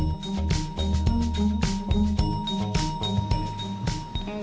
ketua kebanyakan tempat yang terkenal di indonesia